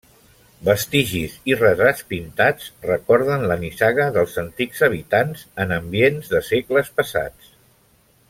Vestigis i retrats pintats recorden la nissaga dels antics habitants en ambients de segles passats.